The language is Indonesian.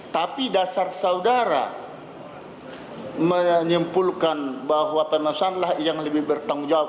tapi dasar saudara menyimpulkan bahwa pemesan lah yang lebih bertanggung jawab